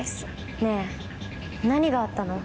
ねぇ何があったの？